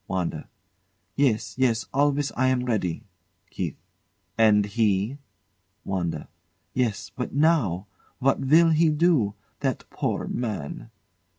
WANDA. Yes, yes; always I am ready. KEITH. And he? WANDA. Yes but now! What will he do? That poor man!